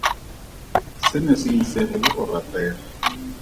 Se ne se itsege le go ratega.